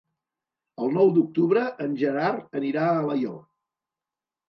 El nou d'octubre en Gerard anirà a Alaior.